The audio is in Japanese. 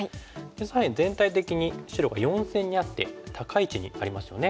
左辺全体的に白が４線にあって高い位置にありますよね。